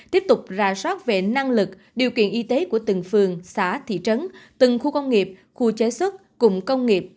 tiếp tục ra soát về năng lực điều kiện y tế của từng phường xã thị trấn từng khu công nghiệp khu chế xuất cụm công nghiệp